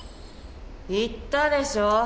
言ったでしょ？